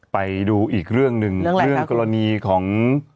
ไปดูอีกเรื่องหนึ่งเรื่องกรณีของ